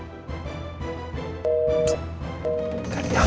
tidak bisa dipertanggungjawabkan